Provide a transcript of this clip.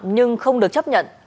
nhưng không được chấp nhận